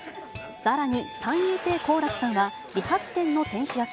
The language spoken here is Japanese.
さらに、三遊亭好楽さんは、理髪店の店主役。